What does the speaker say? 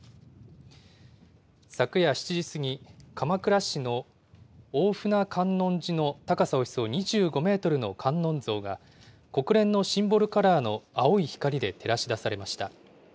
昨夜７時過ぎ、鎌倉市の大船観音寺の高さおよそ２５メートルの観音像が、国連のシンボルカラーの青い光で照らし出されました。